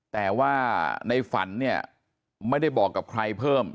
แต่ว่าในฝันเนี่ยไม่ได้บอกกับใครเพิ่ม